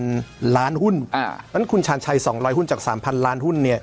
เพราะฉะนั้นคุณชาญชัย๒๐๐หุ้นจาก๓๐๐ล้านหุ้นเนี่ย